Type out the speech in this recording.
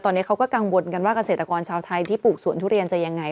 ตอนนี้เขาก็กังวลกันว่าเกษตรกรชาวไทยที่ปลูกสวนทุเรียนจะยังไง